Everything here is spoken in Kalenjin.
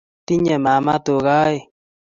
Tinyei mama tuga aeng